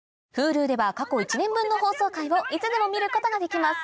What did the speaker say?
Ｈｕｌｕでは過去１年分の放送回をいつでも見ることができます